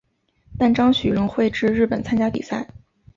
但张栩仍会至日本参加比赛。